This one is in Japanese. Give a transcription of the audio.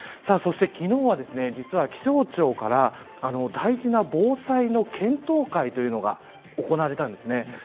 そして、昨日は実は気象庁から大事な防災の検討会というのが行われたんですね。